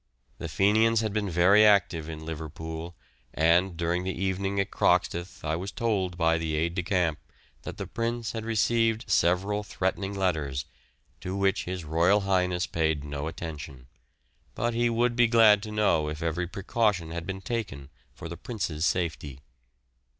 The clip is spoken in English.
The Fenians had been very active in Liverpool, and during the evening at Croxteth I was told by the aide de camp that the Prince had received several threatening letters, to which his Royal Highness paid no attention, but he would be glad to know if every precaution had been taken for the Prince's safety.